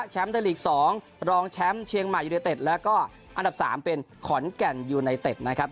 ไทยลีก๒รองแชมป์เชียงใหม่ยูเนเต็ดแล้วก็อันดับ๓เป็นขอนแก่นยูไนเต็ดนะครับ